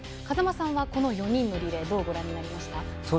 風間さんはこの４人のリレーどうご覧になりましたか。